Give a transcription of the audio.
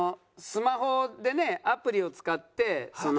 スマホでねアプリを使ってその。